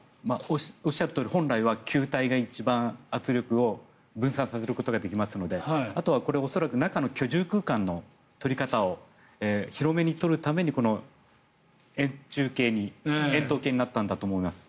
おっしゃるとおり本来は球体が一番圧力を分散させることができますのであとは、恐らく中の居住空間の取り方を広めに取るために円筒形になったんだと思います。